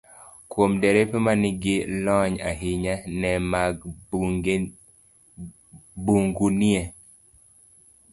Kuom derepe ma nigi lony ahinya, le mag bungu nie